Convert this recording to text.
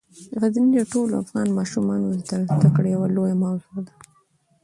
غزني د ټولو افغان ماشومانو د زده کړې یوه لویه موضوع ده.